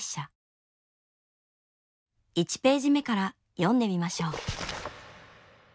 １ページ目から読んでみましょう。